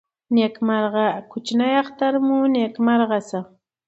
نیکمرغه کوچني اختر مو نیکمرغه ښه.